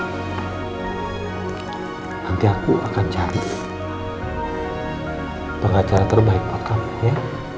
nanti aku akan cari pengacara terbaik buat kamu ya